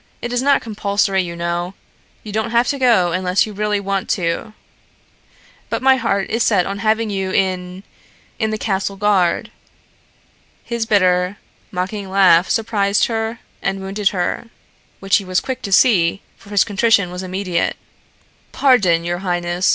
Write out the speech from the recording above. It is not compulsory, you know. You don't have to go unless you really want to. But my heart is set on having you in in the castle guard." His bitter, mocking laugh surprised and wounded her, which he was quick to see, for his contrition was immediate. "Pardon, your highness.